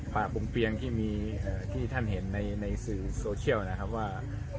ป่าผมเปียงที่มีที่ท่านเห็นในสื่อโซเชียลนะครับว่า